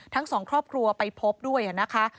ทั้งสองครอบครัวไปพบด้วยนะคะ